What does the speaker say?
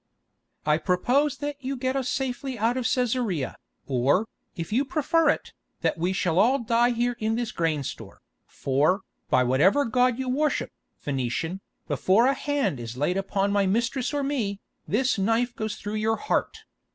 "I propose that you get us safely out of Cæsarea, or, if you prefer it, that we shall all die here in this grain store, for, by whatever god you worship, Phœnician, before a hand is laid upon my mistress or me, this knife goes through your heart.